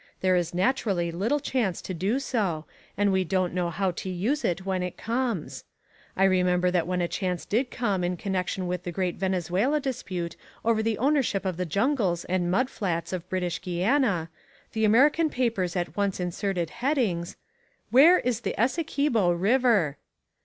There is naturally little chance to do so and we don't know how to use it when it comes. I remember that when a chance did come in connection with the great Venezuela dispute over the ownership of the jungles and mud flats of British Guiana, the American papers at once inserted headings, WHERE IS THE ESSIQUIBO RIVER?